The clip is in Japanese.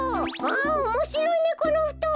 おもしろいねこのふとん。